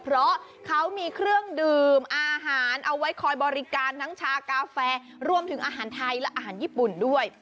เพราะเขามีเครื่องดื่มอาหารเอาไว้คอยบริการทั้งชากาแฟรวมถึงอาหารไทยและอาหารญี่ปุ่นด้วย